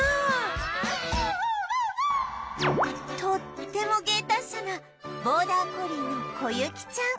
とっても芸達者なボーダーコリーのこゆきちゃん